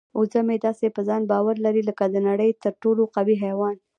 وزه مې داسې په ځان باور لري لکه د نړۍ تر ټولو قوي حیوان.